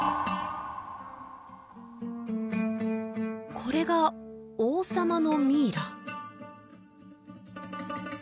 これが王様のミイラ？